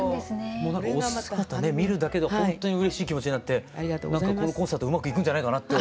もうなんかお姿ね見るだけでほんとにうれしい気持ちになってなんかこのコンサートうまくいくんじゃないかなって。